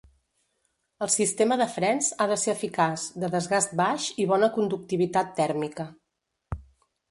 El sistema de frens ha de ser eficaç, de desgast baix i bona conductivitat tèrmica.